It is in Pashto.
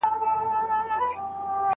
باور د بریا لپاره مهم دی.